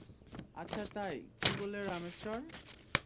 আচ্ছা তাই, কি বলে রামেশ্বর?